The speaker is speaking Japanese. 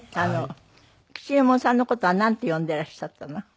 吉右衛門さんの事はなんて呼んでいらっしゃったの？